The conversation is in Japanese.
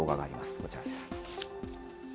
こちらです。